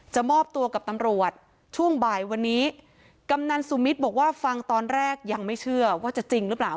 มอบตัวกับตำรวจช่วงบ่ายวันนี้กำนันสุมิตรบอกว่าฟังตอนแรกยังไม่เชื่อว่าจะจริงหรือเปล่า